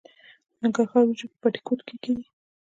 د ننګرهار وریجې په بټي کوټ کې کیږي.